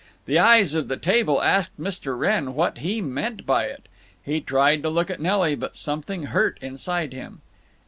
The eyes of the table asked Mr. Wrenn what he meant by it. He tried to look at Nelly, but something hurt inside him.